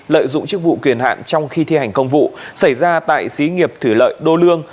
lợi dụng chức vụ quyền hạn trong khi thi hành công vụ xảy ra tại xí nghiệp thủy lợi đô lương